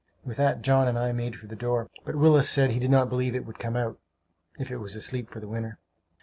With that John and I made for the door; but Willis said he did not believe it would come out, if it was asleep for the winter.